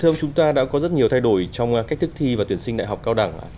thưa ông chúng ta đã có rất nhiều thay đổi trong cách thức thi và tuyển sinh đại học cao đẳng